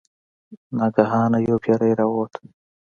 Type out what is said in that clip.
ناګهانه یو پیری راووت.